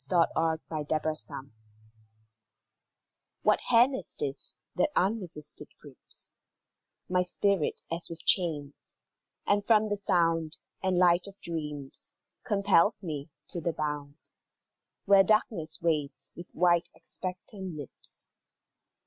SHADOW OF NIGHTMARE What hand is this, that unresisted grips My spirit as with chains, and from the sound And light of dreams, compels me to the bound Where darkness waits with wide, expectant lips?